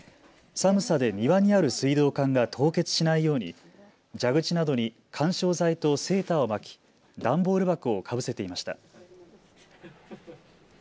寒さで庭にある水道管が凍結しないように蛇口などに緩衝材とセーターを巻き段ボール箱をかぶせていました。